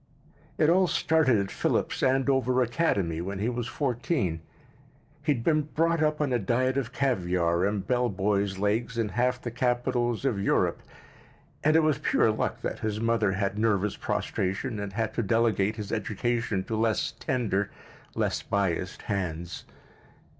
It all started at Phillips Andover Academy when he was fourteen. He had been brought up on a diet of caviar and bell boys' legs in half the capitals of Europe, and it was pure luck that his mother had nervous prostration and had to delegate his education to less tender, less biassed hands.